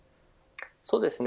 そうですね。